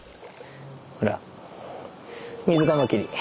ほらミズカマキリ。